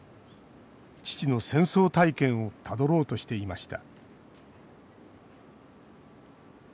父の戦争体験をたどろうとしていました